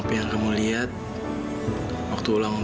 kemah apa yang kamu lihat waktu ulang tahun kamu